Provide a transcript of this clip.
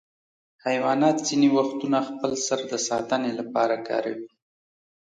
حیوانات ځینې وختونه خپل سر د ساتنې لپاره کاروي.